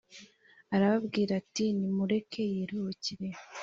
Arababwira ati nimumureke yiruhukire